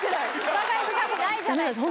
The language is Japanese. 疑い深くないじゃないですか。